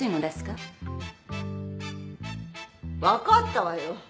分かったわよ。